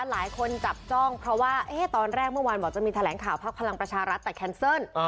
หลายคนจับจ้องเพราะว่าตอนแรกเมื่อวานบอกจะมีแถลงข่าวพักพลังประชารัฐแต่แคนเซิล